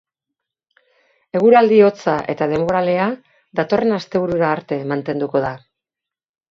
Eguraldi hotza eta denboralea datorren asteburura arte mantenduko da.